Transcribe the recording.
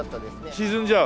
沈んじゃう？